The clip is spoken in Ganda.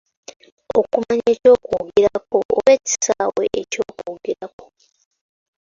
Okumanya eky’okwogerako oba ekisaawe ky’okwogerako.